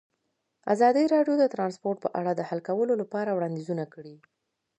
ازادي راډیو د ترانسپورټ په اړه د حل کولو لپاره وړاندیزونه کړي.